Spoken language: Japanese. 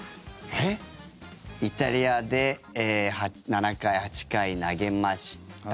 イタリアで７回、８回投げました。